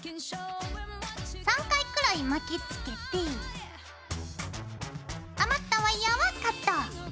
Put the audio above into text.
３回くらい巻きつけて余ったワイヤーはカット。